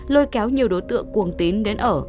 lôi kéo nhiều đối tượng cuồng tín đến ở